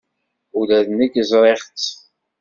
Ula d nekk ẓriɣ-tt.